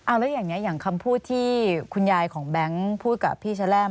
แล้วอย่างนี้อย่างคำพูดที่คุณยายของแบงค์พูดกับพี่ชะแรม